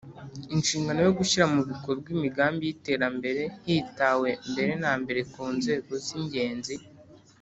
inshingano yo gushyira mu bikorwa imigambi y iterambere hitawe mbere na mbere ku nzego z ingenzi